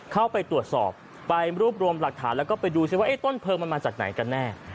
เข้าไปตรวจสอบไปรวบรวมหลักฐานแล้วก็ไปดูซิว่าต้นเพลิงมันมาจากไหนกันแน่